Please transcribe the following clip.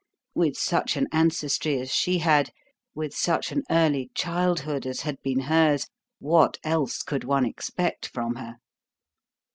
With such an ancestry as she had, with such an early childhood as had been hers, what else could one expect from her?